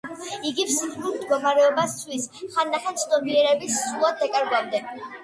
იგი ფსიქიკურ მდგომარეობას ცვლის, ხანდახან ცნობიერების სრულად დაკარგვამდე.